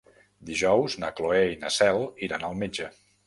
Dijous na Cloè i na Cel iran al metge.